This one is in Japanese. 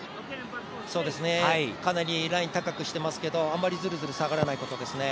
かなりライン高くしてますけど、あまりずるずる下がらないことですね。